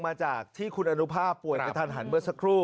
มาจากที่คุณอนุภาพป่วยกระทันหันเมื่อสักครู่